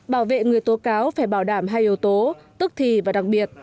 bảo vệ người tố cáo phải bảo đảm hai yếu tố tức thì và đặc biệt